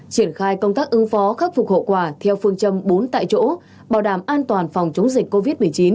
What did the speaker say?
triển khai công tác ứng phó khắc phục hậu quả theo phương châm bốn tại chỗ bảo đảm an toàn phòng chống dịch covid một mươi chín